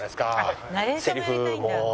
せりふも。